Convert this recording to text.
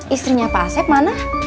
istrinya pak sep mana